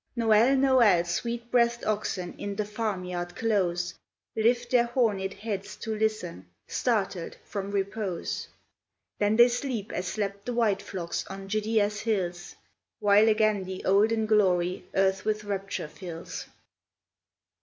Noel ! Noel J Sweet breathed oxen, In the farm yard close, Lift their horned heads to listen, Startled from repose ; Then they sleep as slept the white flocks On Judea's hills, While again the olden glory Earth with rapture fills.